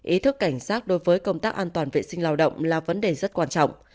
ý thức cảnh sát đối với công tác an toàn vệ sinh lao động là vấn đề rất quan trọng